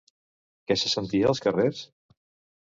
Què se sentia als carrers?